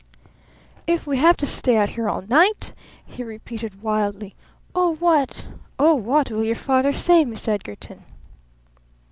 "If we have to stay out here all night?" he repeated wildly. "Oh, what oh, what will your father say, Miss Edgarton?"